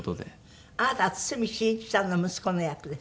あなたは堤真一さんの息子の役ですって？